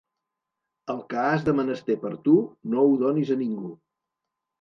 El que has de menester per tu, no ho donis a ningú.